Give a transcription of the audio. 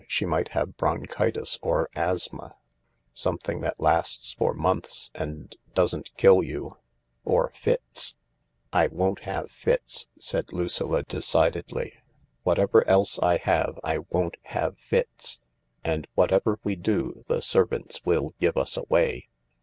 She might have bronchitis or asthma — something that lasts for months and doesn't kill you. Or fits ..."" I won't have fits/' said Lucilla decidedly. " Whatever Q 242 THE LARK else I have, I won't have fits. And, whatever we do, the servants will give us away."